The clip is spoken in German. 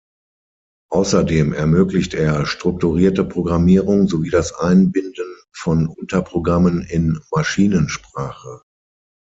Außerdem ermöglicht er strukturierte Programmierung sowie das Einbinden von Unterprogrammen in Maschinensprache.